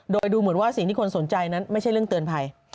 โดยดูเหมือนว่าสิ่งที่คนสนใจนั้นไม่ใช่เรื่องเตือนภัย